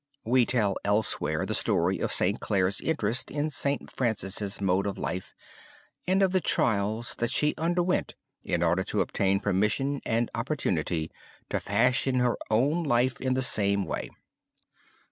We tell elsewhere the story, of St. Clare's interest in St. Francis' mode of life and of the trials that she underwent in order to obtain permission and opportunity to fashion her own life in the same way.